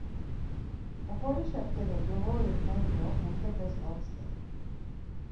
Oxorişa ǩele coğori xen do hentepes otzǩen.